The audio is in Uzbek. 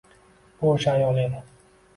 Bu o‘sha ayol edi!